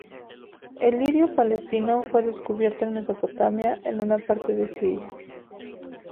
El lirio palestino fue descubierto en Mesopotamia, en una parte de Siria.